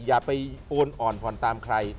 อย่าไปโอนอ่อนผ่อนตามใคร